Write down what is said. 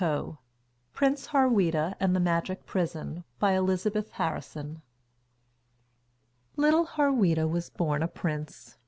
Prince Harweda and the Magic Prison By ELIZABETH HARRISON (Adapted) Little Harweda was born a prince.